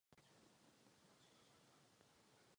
Vpředu i vzadu byly použity pouze bubnové brzdy.